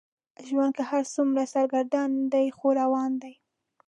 ژوند که هر څومره سرګردان دی خو روان دی.